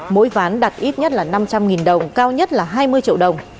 mỗi ván đặt ít nhất là năm trăm linh đồng cao nhất là hai mươi triệu đồng